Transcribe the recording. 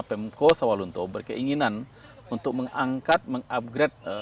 pemko sawah lunto berkeinginan untuk mengangkat mengupgrade